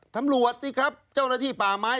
ธรรมรวชนี่ครับเจ้าหน้าที่ป่าไม้